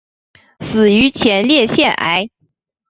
死于前列腺癌。